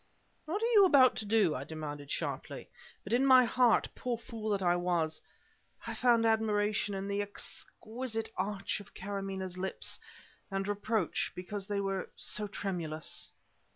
"What were you about to do?" I demanded sharply but in my heart, poor fool that I was, I found admiration for the exquisite arch of Karamaneh's lips, and reproach because they were so tremulous.